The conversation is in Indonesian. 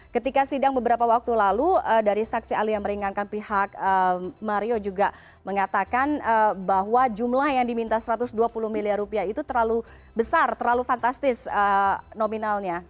ketika sidang beberapa waktu lalu dari saksi ahli yang meringankan pihak mario juga mengatakan bahwa jumlah yang diminta satu ratus dua puluh miliar rupiah itu terlalu besar terlalu fantastis nominalnya